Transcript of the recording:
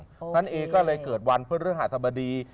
โอเคนั่นเองก็เลยเกิดวันพฤษฐศาสตร์ธรรมดี